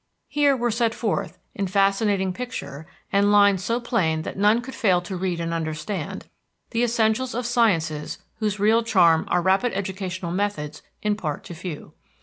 Here were set forth, in fascinating picture and lines so plain that none could fail to read and understand, the essentials of sciences whose real charm our rapid educational methods impart to few.